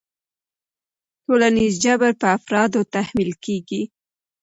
ټولنیز جبر په افرادو تحمیل کېږي.